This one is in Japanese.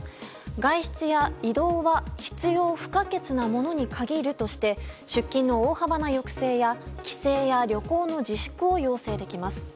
外出や移動は必要不可欠なものに限るとして出勤の大幅な抑制や帰省や旅行の自粛を要請できます。